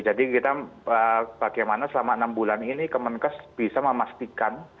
jadi kita bagaimana selama enam bulan ini kemenkes bisa memastikan